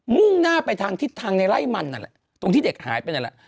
่งหน้าไปทางทิศทางในไล่มันนั่นแหละตรงที่เด็กหายไปนั่นแหละ